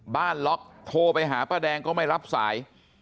ล็อกโทรไปหาป้าแดงก็ไม่รับสาย